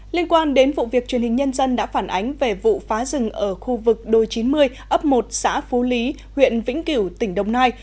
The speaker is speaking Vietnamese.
liên quan đến vụ việc truyền hình nhân dân đã phản ánh về vụ phá rừng ở khu vực đôi chín mươi ấp một xã phú lý huyện vĩnh kiểu tỉnh đồng nai